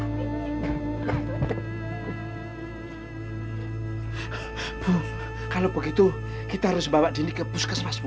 bu kalau begitu kita harus bawa diri ke puskesmas buku